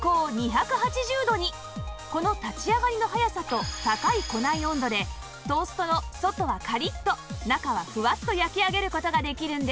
この立ち上がりの早さと高い庫内温度でトーストの外はカリッと中はフワッと焼き上げる事ができるんです